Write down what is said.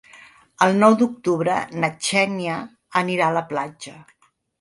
El nou d'octubre na Xènia anirà a la platja.